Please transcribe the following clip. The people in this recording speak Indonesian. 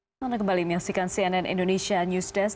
selamat kembali menyaksikan cnn indonesia news desk